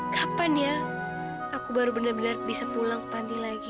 kapan ya aku baru benar benar bisa pulang panti lagi